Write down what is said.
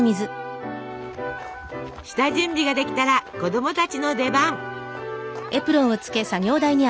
下準備が出来たら子供たちの出番！